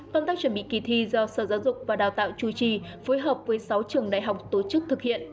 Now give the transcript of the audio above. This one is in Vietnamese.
công tác chuẩn bị kỳ thi do sở giáo dục và đào tạo chủ trì phối hợp với sáu trường đại học tổ chức thực hiện